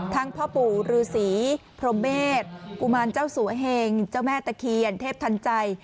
พ่อปู่ฤษีพรมเมษกุมารเจ้าสัวเหงเจ้าแม่ตะเคียนเทพทันใจ